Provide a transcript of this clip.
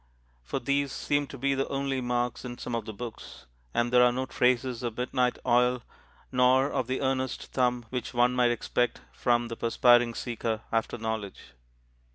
"_ For these seem to be the only marks in some of the books, and there are no traces of midnight oil nor of that earnest thumb which one might expect from the perspiring seeker after knowledge.